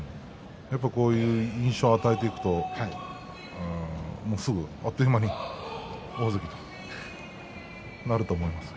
そういう印象を与えていくとすぐ、あっという間に大関ということになると思います。